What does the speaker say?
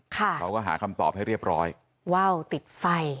เราก็หาคำตอบให้เรียบร้อยว่าวติดไฟ